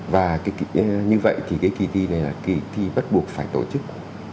và như vậy thì cái kỳ thi này là kỳ thi bắt buộc phải tổ chức